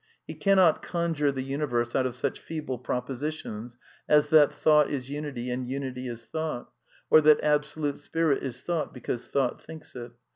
He cannot conjure the universe out of such feeble propositions as that Thought is unity and Unity is thought, or that Absolute Spirit is Thought be cause Thought thinks it.